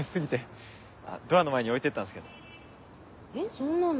そんなの。